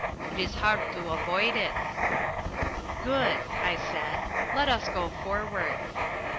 It is hard to avoid it." "Good," I said. "Let us go forward."